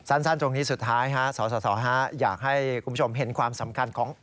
สั้นตรงนี้สุดท้ายฮะสสอยากให้คุณผู้ชมเห็นความสำคัญของ